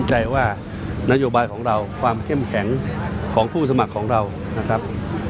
แต่ว่าความเข้มแข็งของผู้สมัครของเรานะครับ